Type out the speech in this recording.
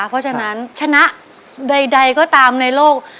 เพราะฉะนั้นชนะใดก็ตามในโลก